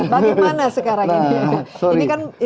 bagaimana sekarang ini